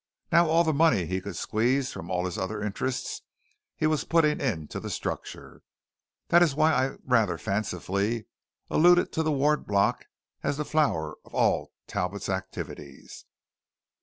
Now all the money he could squeeze from all his other interests he was putting into the structure. That is why I rather fancifully alluded to the Ward Block as the flower of all Talbot's activities.